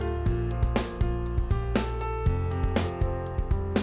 aduh aduh aduh aduh aduh